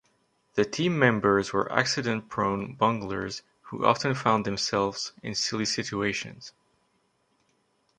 The team members were accident-prone bunglers who often found themselves in silly situations.